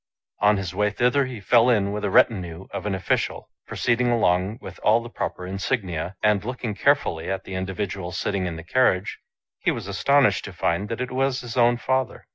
On his way thither he fell in with a retinue of an official, pro ceeding along with all the proper insignia, 13 and, looking carefully at the individual sitting in the carriage, he was astonished to find that it was his own father.